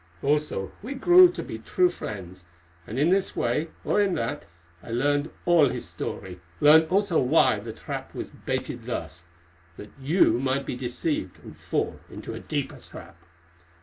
Also, we grew to be true friends, and in this way or in that I learned all his story, learned also why the trap was baited thus—that you might be deceived and fall into a deeper trap.